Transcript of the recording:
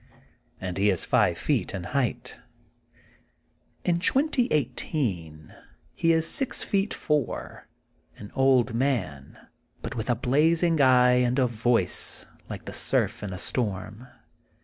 And he is five feet in height. In 2018 he is six feet four, an T>ld man, but with a blazing eye and a voice like the surf in a storm.